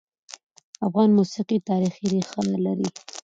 افغان موسیقي تاریخي ريښه لري.